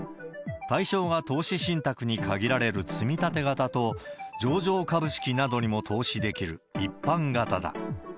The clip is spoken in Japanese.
対象が投資信託に限られるつみたて型と、上場株式などにも投資できる一般型だ。